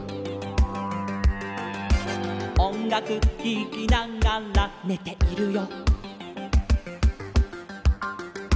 「おんがくききながらねているよ」